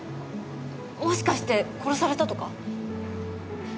もしかして殺されたとか？